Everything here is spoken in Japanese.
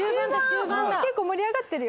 結構盛り上がってるよ